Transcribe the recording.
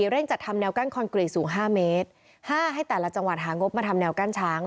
เร่งจัดทำแนวกั้นคอนกรีตสูง๕เมตรห้าให้แต่ละจังหวัดหางบมาทำแนวกั้นช้าง